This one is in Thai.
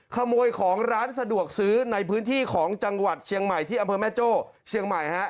ขโมยของร้านสะดวกซื้อในพื้นที่ของจังหวัดเชียงใหม่ที่อำเภอแม่โจ้เชียงใหม่ฮะ